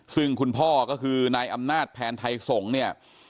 ซึ่งคุณพ่อก็คือนายอำนาจแผนไทยสงฆ์เนี่ย